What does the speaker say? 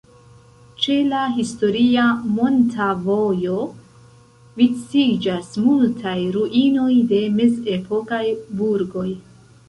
Ĉe la historia "monta vojo" viciĝas multaj ruinoj de mezepokaj burgoj.